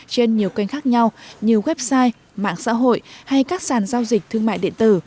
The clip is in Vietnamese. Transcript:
trên nhiều kênh khác nhau như website mạng xã hội hay các sàn giao dịch thương mại điện tử